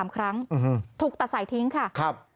๓ครั้งถูกตัดใส่ทิ้งค่ะครับ